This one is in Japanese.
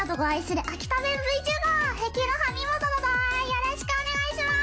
よろしくお願いします！